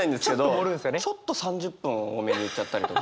ちょっと３０分多めに言っちゃったりとか。